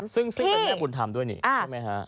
ซึ่งเป็นแม่บุญธรรมด้วยนี่ใช่ไหมฮะ